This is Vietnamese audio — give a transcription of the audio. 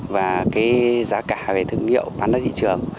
và cái giá cả về thương hiệu bán đất thị trường